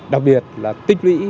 đặc biệt là tích lũy